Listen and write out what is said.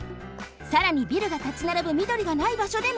さらにビルがたちならぶみどりがないばしょでも。